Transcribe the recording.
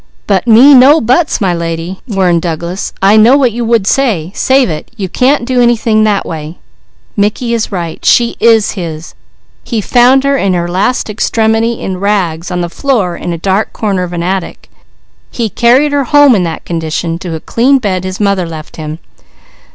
"'But me no buts,' my lady!" warned Douglas. "I know what you would say. Save it! You can't do anything that way. Mickey is right. She is his. He found her in her last extremity, in rags, on the floor in a dark corner of an attic. He carried her home in that condition, to a clean bed his mother left him.